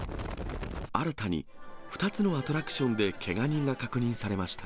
新たに２つのアトラクションでけが人が確認されました。